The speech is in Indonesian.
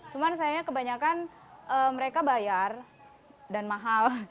cuman sayangnya kebanyakan mereka bayar dan mahal